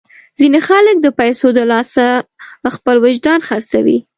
ځینې خلک د پیسو د لاسه خپل وجدان خرڅوي.